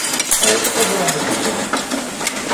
А яшчэ была непрыемнасць.